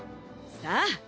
さあ！